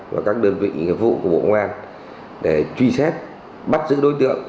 và các đơn vị nghiệp vụ của bộ công an để truy xét bắt giữ đối tượng